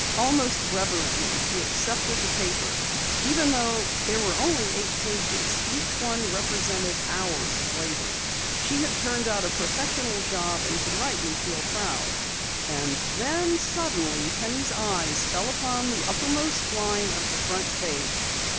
Almost reverently she accepted the paper. Even though there were only eight pages, each one represented hours of labor. She had turned out a professional job, and could rightly feel proud. And then suddenly Penny's eyes fell upon the uppermost line of the front page.